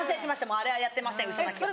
もうあれはやってませんウソ泣きは。